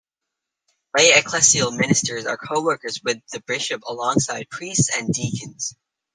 Lay ecclesial ministers are coworkers with the bishop alongside priests and deacons.